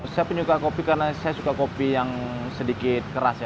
saya penyuka kopi karena saya suka kopi yang sedikit keras ya